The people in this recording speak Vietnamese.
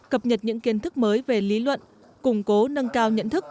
cập nhật những kiến thức mới về lý luận củng cố nâng cao nhận thức